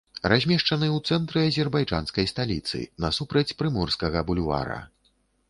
Размешчаны ў цэнтры азербайджанскай сталіцы, насупраць прыморскага бульвара.